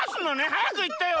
はやくいってよ。